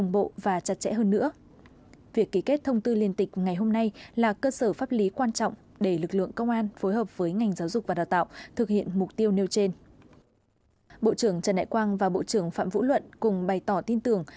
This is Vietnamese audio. bộ trưởng trần đại quang và bộ trưởng phạm vũ luận cùng bày tỏ tin tưởng